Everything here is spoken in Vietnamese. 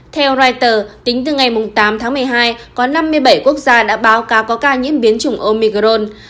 theo reuters tính từ ngày tám tháng một mươi hai có năm mươi bảy quốc gia đã báo cáo có ca nhiễm biến chủng omicron